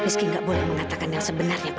sampai jumpa di video selanjutnya